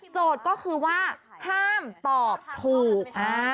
โจทย์ก็คือว่าฮ่ามตอบถูก